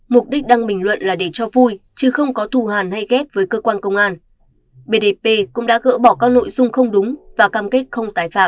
mục đích đăng bình luận là để cho vui chứ không có thù hàn hay kết với cơ quan công an bdp cũng đã gỡ bỏ các nội dung không đúng và cam kết không tái phạm